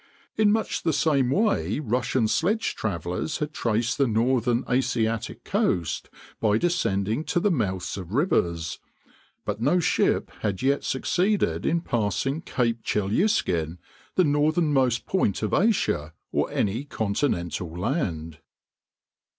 In much the same way Russian sledge travelers had traced the northern Asiatic coast by descending to the mouths of rivers; but no ship had yet succeeded in passing Gape Chelyuskin, the northernmost point of Asia or any continental land.